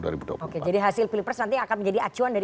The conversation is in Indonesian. oke jadi hasil pilpres nanti akan menjadi acuan dari